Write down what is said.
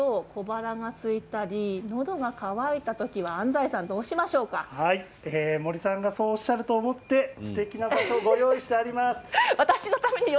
ちょっと小腹がすいたりのどが渇いた時は森さんがそうおっしゃると思ってすてきな場所をご用意しました。